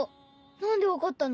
何で分かったの？